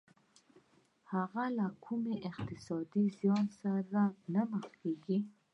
هغه له کوم اقتصادي زيان سره نه مخ کېږي.